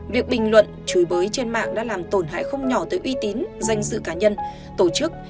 việc bình luận chửi bới trên mạng đã làm tổn hại không nhỏ tới uy tín danh dự cá nhân tổ chức